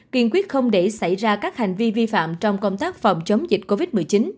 kiên quyết không để xảy ra các hành vi vi phạm trong công tác phòng chống dịch covid một mươi chín